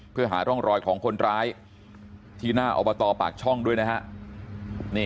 เพื่อหาร่องรอยของคนร้ายที่หน้าอบตปากช่องด้วยนะฮะ